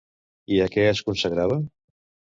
I a què es consagrava?